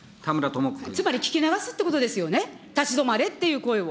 つまり聞き流すっていうことですよね、立ち止まれっていう声を。